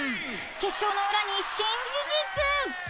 ［決勝の裏に新事実！］